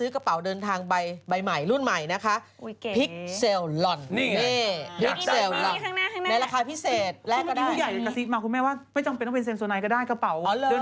กระเป๋าเดินทางใบเก่าก็ได้เป็นแรกเนี่ยค่ะ